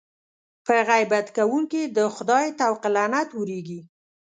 په غیبت کوونکي د خدای طوق لعنت اورېږي.